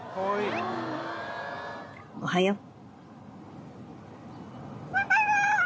おはよう。